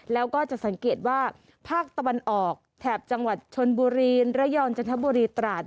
แล้วก็จะสังเกตว่าภาคตะวันออกแถบจังหวัดชนบุรีระยองจันทบุรีตราด